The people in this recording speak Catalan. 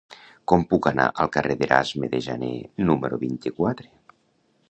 Com puc anar al carrer d'Erasme de Janer número vint-i-quatre?